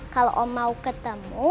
kalau om mau ketemu